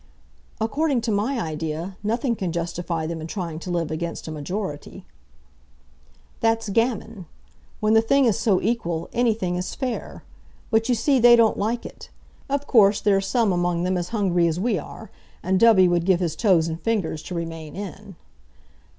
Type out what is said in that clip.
"According to my idea, nothing can justify them in trying to live against a majority." "That's gammon. When the thing is so equal, anything is fair. But you see they don't like it. Of course there are some among them as hungry as we are; and Dubby would give his toes and fingers to remain in."